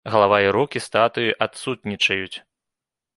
Галава і рукі статуі адсутнічаюць.